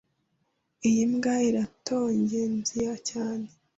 Iyi mbwa iratonngenzia cyane.